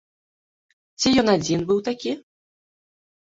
Ці ён адзін быў такі?